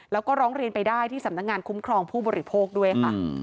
แล้วก็ร้องเรียนไปได้ที่สำนักงานคุ้มครองผู้บริโภคด้วยค่ะ